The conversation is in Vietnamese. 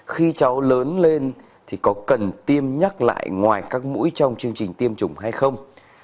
khi cháu lớn lên thì có cần tiêm nhắc lại ngoài các mũi trong chương trình tiêm chủng hay không